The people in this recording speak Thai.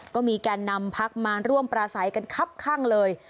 ก็มีการนำพรรคมาร่วมประสัยกันคับข้างเลย